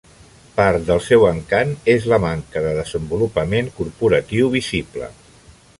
Part del seu encant és la manca de desenvolupament corporatiu visible.